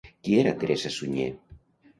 Qui era Teresa Suñer?